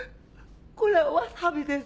これはワサビです。